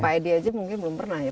pak edi aja mungkin belum pernah ya